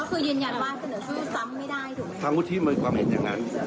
ก็คุยเสนอความพีเห็น